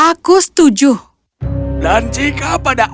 dan jika pada akhir enam belas tahun kau masih belum menemukan cinta sejatimu